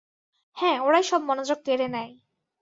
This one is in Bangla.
হ্যাঁ, ওরাই সব মনোযোগ কেড়ে নেয়।